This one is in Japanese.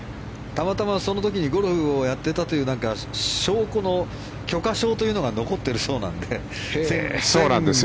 たまたまその時にゴルフをやっていたという証拠の許可証が残ってるそうなので。